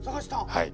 はい。